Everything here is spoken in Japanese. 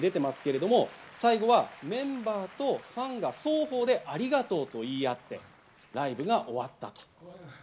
最後はメンバーとファンが双方でありがとうと言い合ってライブが終わったんです。